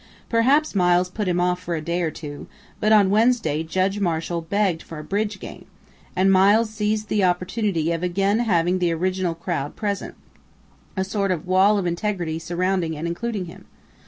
Perhaps Miles put him off for a day or two, but on Wednesday Judge Marshall begged for a bridge game, and Miles seized the opportunity of again having the original crowd present a sort of wall of integrity surrounding and including him.